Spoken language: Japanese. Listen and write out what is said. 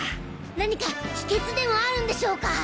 何か秘訣でもあるんでしょうか！？